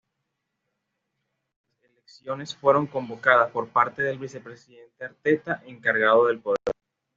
Las elecciones fueron convocadas por parte del Vicepresidente Arteta, encargado del poder.